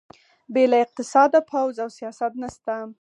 بې له اقتصاده پوځ او سیاست نشته.